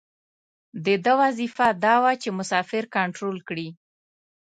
د ده وظیفه دا وه چې مسافر کنترول کړي.